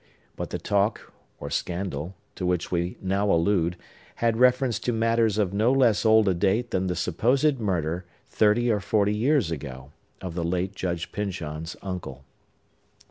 But the talk, or scandal, to which we now allude, had reference to matters of no less old a date than the supposed murder, thirty or forty years ago, of the late Judge Pyncheon's uncle.